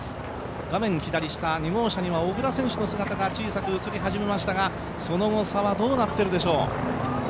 画面左下、２号車には小椋選手の姿が小さく映り始めましたが、その後差はどうなっているでしょう。